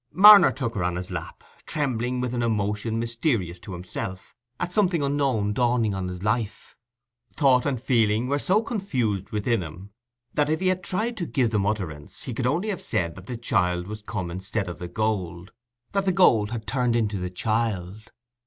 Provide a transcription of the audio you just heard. Marner took her on his lap, trembling with an emotion mysterious to himself, at something unknown dawning on his life. Thought and feeling were so confused within him, that if he had tried to give them utterance, he could only have said that the child was come instead of the gold—that the gold had turned into the child.